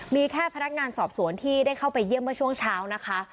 มีแค่พนักงานสอบสวนที่ได้เข้าไปเยี่ยมเมื่อช่วงเช้านะคะ